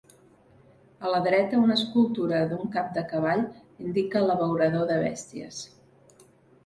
A la dreta una escultura d'un cap de cavall indica l'abeurador de bèsties.